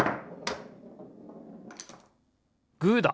グーだ！